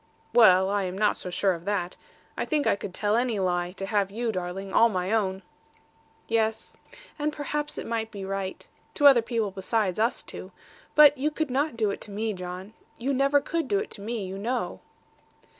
'Well, I am not so sure of that. I think I could tell any lie, to have you, darling, all my own.' 'Yes. And perhaps it might be right. To other people besides us two. But you could not do it to me, John. You never could do it to me, you know.'